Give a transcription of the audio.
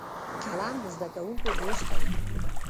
قلم د زده کوونکو دوست دی